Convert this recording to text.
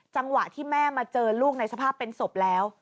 จังหวะที่แม่มาเจอลูกในสภาพเป็นศพแล้ว